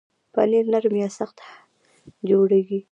پنېر نرم یا سخت جوړېږي.